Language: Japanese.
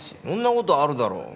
そんなことあるだろ。